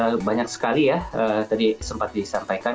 ya banyak sekali ya tadi sempat disampaikan